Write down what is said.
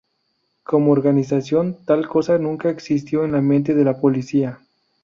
Como organización, tal cosa nunca existió en la mente de la policía.